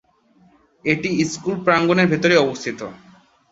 এটি স্কুল প্রাঙ্গণের ভেতরেই অবস্থিত।